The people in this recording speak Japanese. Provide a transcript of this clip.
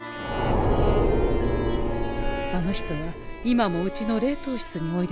あの人は今もうちの冷凍室においででござんすね？